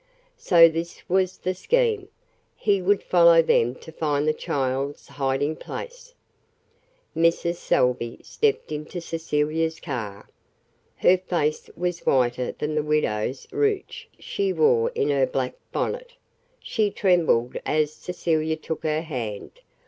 So this was his scheme he would follow them to find the child's hiding place. Mrs. Salvey stepped into Cecilia's car. Her face was whiter than the widow's ruche she wore in her black bonnet. She trembled as Cecilia took her hand.